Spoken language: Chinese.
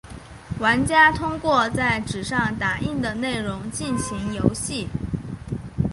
玩家通过在纸上打印的内容进行游戏。